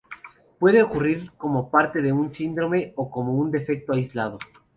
Puede ocurrir como parte de un síndrome o como un defecto aislado.